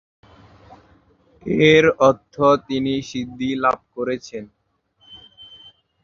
এর অর্থ "যিনি সিদ্ধি লাভ করেছেন।"